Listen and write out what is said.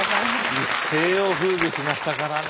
一世をふうびしましたからね。